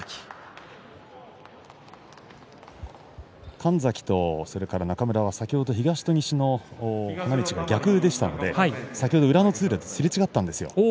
神崎と中村は東と西の花道が逆だったので裏の通路ですれ違ったんです。